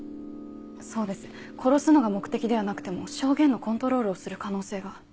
そうです殺すのが目的ではなくても証言のコントロールをする可能性が。